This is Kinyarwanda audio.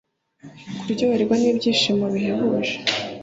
kuryoherwa n'ibyishimo bihebuje